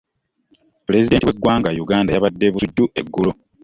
Pulezidenti we ggwanga Uganda yabadde Busujju eggulo.